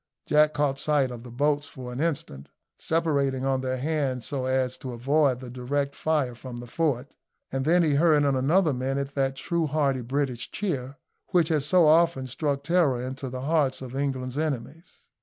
Jack caught sight of the boats for an instant, separating on either hand so as to avoid the direct fire from the fort, and then he heard in another minute that true hearty British cheer, which has so often struck terror into the hearts of England's enemies.